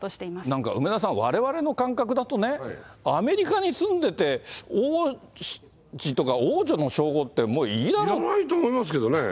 なんか梅沢さん、われわれの感覚だとね、アメリカに住んでて、王子とか王女の称号って、もういいだろうと。いらないと思いますけどね。